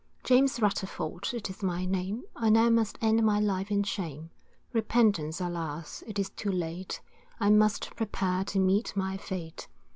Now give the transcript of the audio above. James Rutterford it is my name, I now must end my life in shame; Repentance, alas! it is too late, I must prepare to meet my fate.